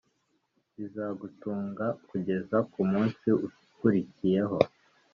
bizagutunga kugeza ku munsi ukurikiyeho